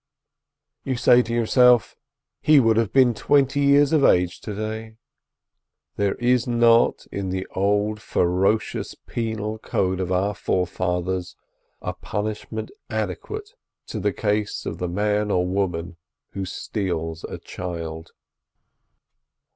You say to yourself: "He would have been twenty years of age to day." There is not in the old ferocious penal code of our forefathers a punishment adequate to the case of the man or woman who steals a child.